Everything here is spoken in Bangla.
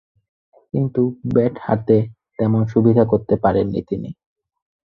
কিন্তু ব্যাট হাতে তেমন সুবিধা করতে পারেননি তিনি।